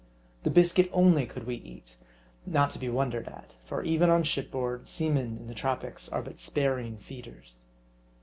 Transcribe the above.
The biscuit only could we eat ; not to be wondered at ; for even on shipboard, seamen in the tropics are but sparing feeders.